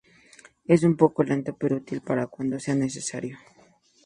Es un poco lento, pero útil para cuando sea necesario.